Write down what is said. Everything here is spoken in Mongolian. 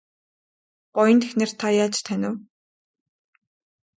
Буянт эхнэр та яаж танив?